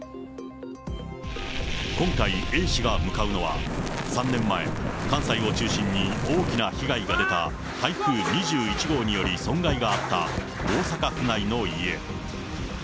今回、Ａ氏が向かうのは、３年前、関西を中心に大きな被害が出た台風２１号により損害があった大阪府内の家。